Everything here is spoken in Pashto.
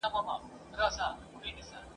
خلکو خبرسی له اعلانونو !.